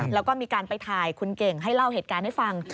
แล้วก็มีการไปถ่ายคุณเก่งให้เล่าเหตุการณ์ให้ฟัง